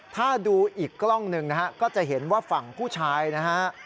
ถ้าดูอีกกล้องหนึ่งนะฮะก็จะเห็นว่าฝั่งผู้ชายนะฮะ